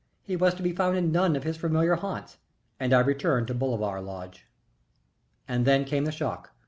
He was to be found in none of his familiar haunts, and I returned to Bolivar Lodge. And then came the shock.